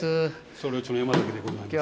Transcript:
総料理長の山崎でございます。